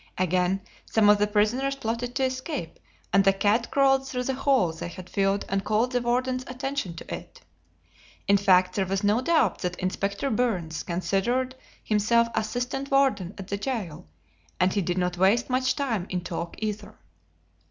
Again, some of the prisoners plotted to escape, and the cat crawled through the hole they had filed and called the warden's attention to it. In fact, there was no doubt that "Inspector Byrnes" considered himself assistant warden at the jail, and he did not waste much time in talk either.